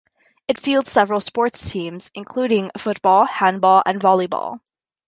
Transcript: It fields several sport teams, including football, handball, and volleyball.